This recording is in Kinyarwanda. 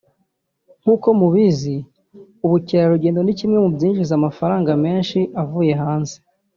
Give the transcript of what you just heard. nkuko mubizi ubukerarugendo ni kimwe mu byinjiza amafaranga menshi avuye hanze